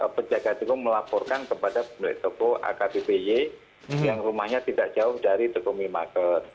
pejaga toko melaporkan kepada pemilik toko akbpj yang rumahnya tidak jauh dari toko minimarket